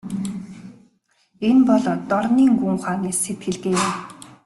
Энэ бол дорнын гүн ухааны сэтгэлгээ юм.